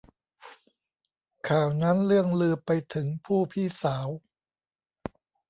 ข่าวนั้นเลื่องลือไปถึงผู้พี่สาว